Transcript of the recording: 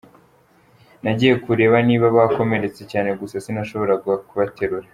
Nagiye kureba niba bakomeretse cyane gusa sinashoboraga kubaterura.